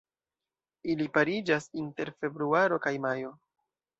Ili pariĝas inter februaro kaj majo.